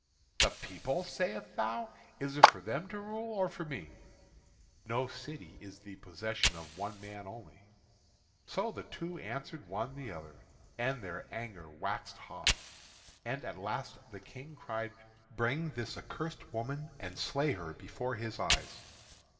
"The people, sayest thou? Is it for them to rule, or for me?" "No city is the possession of one man only." So the two answered one the other, and their anger waxed hot. And at the last the King cried: "Bring this accursed woman, and slay her before his eyes."